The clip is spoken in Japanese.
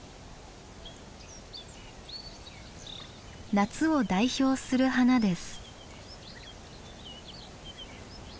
夏を代表する花です。